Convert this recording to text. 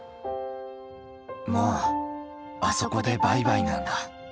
もうあそこでバイバイなんだ。